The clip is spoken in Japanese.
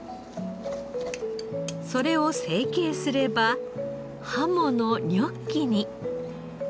それを成形すればハモのニョッキに。